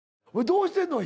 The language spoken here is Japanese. どうしてんの？